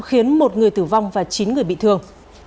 khiến một người tử vong và chín người bị thương